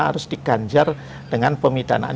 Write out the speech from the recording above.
harus diganjar dengan pemidanaan